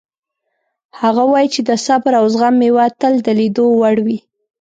هغه وایي چې د صبر او زغم میوه تل د لیدو وړ وي